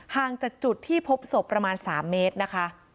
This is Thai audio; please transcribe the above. ห่างจากจุดที่พบศพประมาณ๓เมตรนะคะ